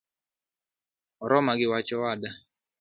Oroma giwach owada